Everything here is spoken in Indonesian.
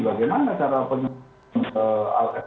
bagaimana cara penyelidikan alat terapi